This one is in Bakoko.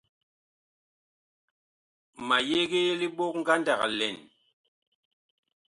Ma yegee libok ngandag lɛn.